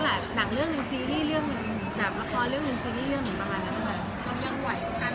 บันทึกท์เลือกหนึ่งอันดับละครเลือกหนึ่งซีรีย์เหมือนประมาณนั้น